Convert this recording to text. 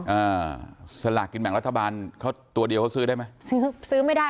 อ่าสลากกินแบ่งรัฐบาลเขาตัวเดียวเขาซื้อได้ไหมซื้อซื้อไม่ได้